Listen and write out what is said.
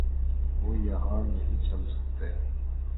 وہ یہاں نہیں چل سکتے۔